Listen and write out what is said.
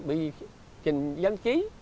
bởi vì trình dân trí